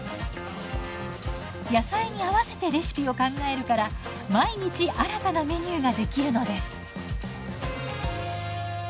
野菜に合わせてレシピを考えるから毎日新たなメニューができるのです。